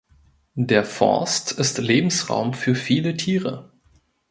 Der Forst ist Lebensraum für viele Tiere.